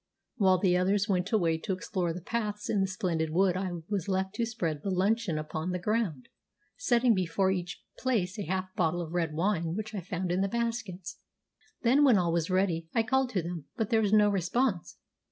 While the others went away to explore the paths in the splendid wood I was left to spread the luncheon upon the ground, setting before each place a half bottle of red wine which I found in the baskets. Then, when all was ready, I called to them, but there was no response.